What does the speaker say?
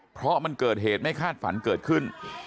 เพราะมันเกิดเหตุไม่คาดฝันเกิดขึ้น